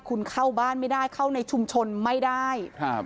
คุณเข้าบ้านไม่ได้เข้าในชุมชนไม่ได้ครับ